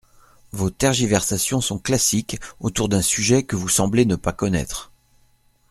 Vos tergiversations sont classiques, autour d’un sujet que vous semblez ne pas connaître.